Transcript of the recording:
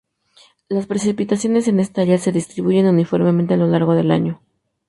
Las precipitaciones en esta área se distribuye uniformemente a lo largo del año.